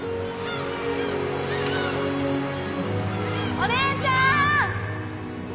お姉ちゃん！